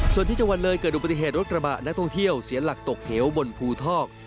ส่วนที่จังหวัดเลยเกิดอุบัติเหตุรถกระบะนักท่องเที่ยวเสียหลักตกเหวบนภูทอก